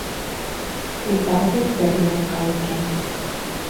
— Юлдарыбыҙ бер яҡҡа икән.